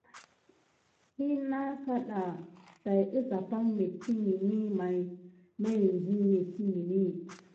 Def nɑŋ kaɗɑ əsap mettingən may ma iŋzinŋ mettingeni.